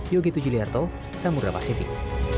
yogi tujuliarto samudera pasifik